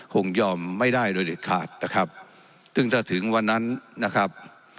คงยอมไม่ได้โดยเด็ดขาดนะครับซึ่งถ้าถึงวันนั้นนะครับ